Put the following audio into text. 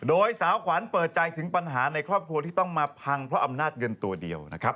โดยสาวขวัญเปิดใจถึงปัญหาในครอบครัวที่ต้องมาพังเพราะอำนาจเงินตัวเดียวนะครับ